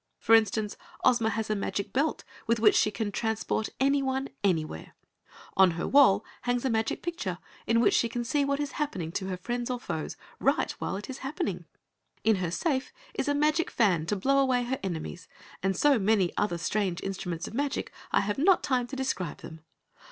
For instance, Ozma has a magic belt with which she can transport anyone anywhere. On her wall hangs a magic picture in which she can see what is happening to her friends or foes right while it is happening. In her safe is a magic fan to blow away her enemies, and so many other strange instruments of magic, I have not time to describe them.